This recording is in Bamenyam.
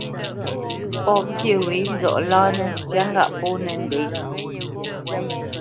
Pɔ̂ pyê wě nzɔʼ láánǝ́ ntyá ŋgâʼ pōnǝ ndě.